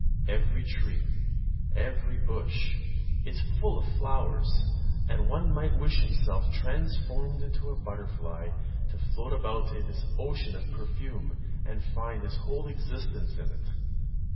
Every tree, every bush, is full of flowers; and one might wish himself transformed into a butterfly, to float about in this ocean of perfume, and find his whole existence in it.